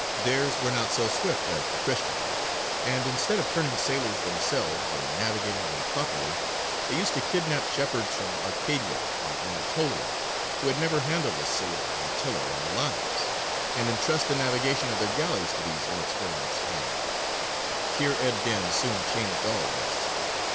Theirs were not so swift as the Christians'; and instead of turning sailors themselves, and navigating them properly, they used to kidnap shepherds from Arcadia and Anatolia, who had never handled a sail or a tiller in their lives, and entrust the navigation of their galleys to these inexperienced hands. Kheyr ed dīn soon changed all this.